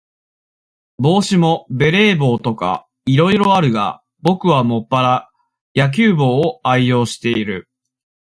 帽子も、ベレー帽とか、いろいろあるが、ぼくはもっぱら、野球帽を愛用している。